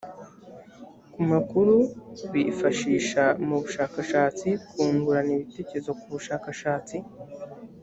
ku makuru bifashisha mu bushakashatsi kungurana ibitekerezo ku bushakashatsi